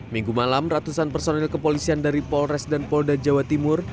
minggu malam ratusan personil kepolisian dari polres dan polda jawa timur